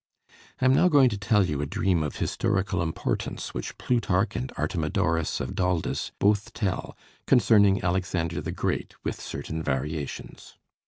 I am now going to tell you a dream of historical importance which Plutarch and Artemidorus of Daldis both tell concerning Alexander the Great, with certain variations.